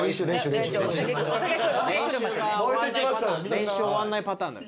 練習が終わんないパターン。